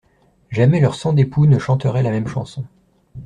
Jamais leurs sangs d'époux ne chanteraient la même chanson.